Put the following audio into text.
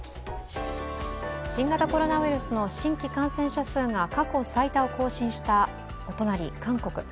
新型コロナウイルスの新規感染者数が過去最多を更新したお隣・韓国。